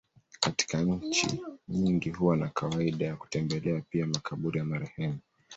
Katika nchi nyingi huwa na kawaida ya kutembelea pia makaburi ya marehemu.